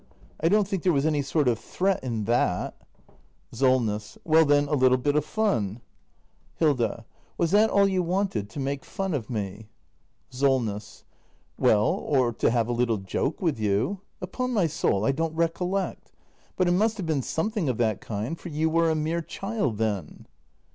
I don't think there was any sort of threat in that. SOLNESS. Well then, a little bit of fun. 308 THE MASTER BUILDER [act i Hilda. Was that all you wanted ? To make fun of me ? SOLNESS. Well, or to have a little joke with you. Upon my soul, I don't recollect. But it must have been something of that kind; for you were a mere child then.